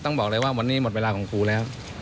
ต้องบอกเลยว่าวันนี้หมดเวลาของครูแล้ว